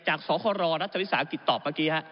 จากศครัฐทรวิสาหกิจตอบเมื่อกี้